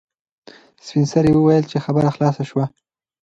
سپین سرې وویل چې خبره خلاصه شوه.